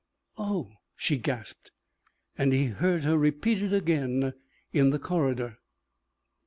"Oh!" she gasped. And he heard her repeat it again in the corridor.